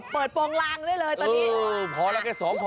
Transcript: เปิดโปรงลางด้วยเลยตอนนี้